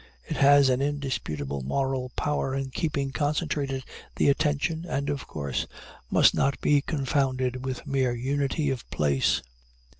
It has an indisputable moral power in keeping concentrated the attention, and, of course, must not be confounded with mere unity of place.